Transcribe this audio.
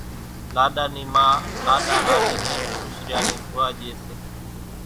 لاڏا نِي ما لاڏا لاڏِي نين خوش ريا نِي دعا ڄي سي